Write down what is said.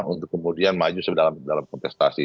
untuk kemudian maju dalam kontestasi